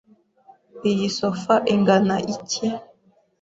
Iyi sofa ingana iki?